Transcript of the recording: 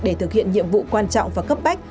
để thực hiện nhiệm vụ quan trọng và cấp bách